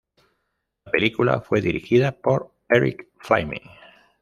La película fue dirigida por Erik Fleming.